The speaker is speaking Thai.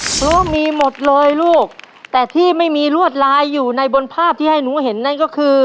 เพราะว่ามีหมดเลยลูกแต่ที่ไม่มีลวดลายอยู่ในบนภาพที่ให้หนูเห็นนั่นก็คือ